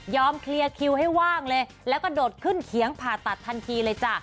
เคลียร์คิวให้ว่างเลยแล้วก็โดดขึ้นเขียงผ่าตัดทันทีเลยจ้ะ